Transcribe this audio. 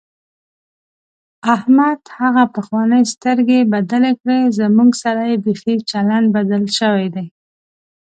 احمد هغه پخوانۍ سترګې بدلې کړې، زموږ سره یې بیخي چلند بدل شوی دی.